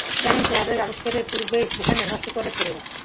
Time ট্রাভেলের আবিষ্কারের পূর্বেই সেটাকে নষ্ট করে ফেলবো।